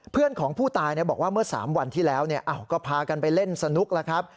เพื่อนของผู้ตายบอกว่าเมื่อ๓วันที่แล้วก็พากันไปเล่นสนุกแล้วครับ